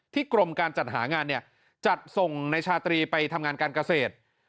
กรมการจัดหางานเนี่ยจัดส่งในชาตรีไปทำงานการเกษตร